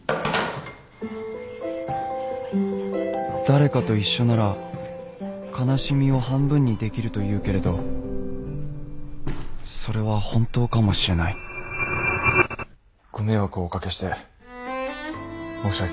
誰かと一緒なら悲しみを半分にできるというけれどそれは本当かもしれないご迷惑をお掛けして申し訳ございません。